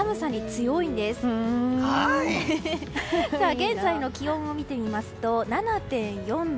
現在の気温を見てみますと７．４度。